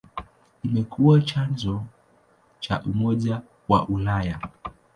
Imekuwa chanzo cha Umoja wa Ulaya.